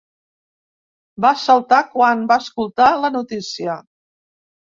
Va saltar quan va escoltar la notícia.